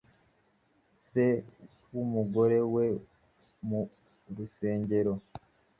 se w’umugore we mu rugerero